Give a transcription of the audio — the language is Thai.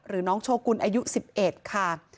น้องโชกุลอายุ๑๑ค่ะ